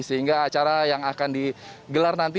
sehingga acara yang akan digelar nanti